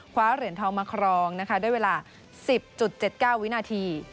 คว้าเหรียญทองมาครองนะคะด้วยเวลา๑๐๗๙วินาที